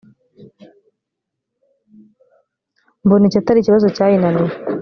mbona iki atari ikibazo cyayinaniye